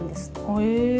へえ。